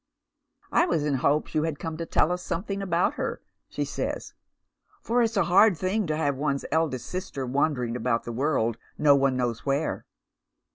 " I was in hopes you had come to tell us something about hei ," she says, " for it's a hard tiling to have one's eldest sister wander ing about the world no one knows where."